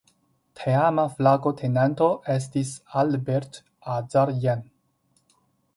Teama flagotenanto estis "Albert Azarjan".